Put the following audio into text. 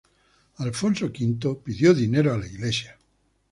El Alfonso V pidió dinero a la iglesia.